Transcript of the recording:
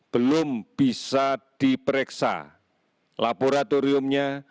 belum bisa diperiksa laboratoriumnya